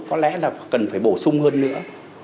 có lẽ là cần phải bổ sung hơn nữa